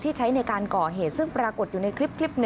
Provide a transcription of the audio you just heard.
ใช้ในการก่อเหตุซึ่งปรากฏอยู่ในคลิป